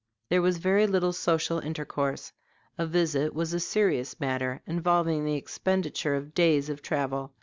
There was very little social intercourse; a visit was a serious matter, involving the expenditure of days of travel.